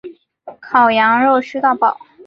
烤羊肉吃到饱